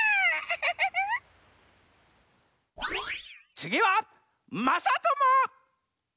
つぎはまさとも！